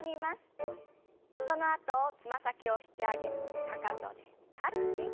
そのあとつま先を引き上げかかとでタッチ。